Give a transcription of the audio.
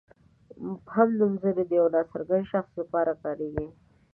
مبهم نومځري د یوه ناڅرګند شخص لپاره کاریږي.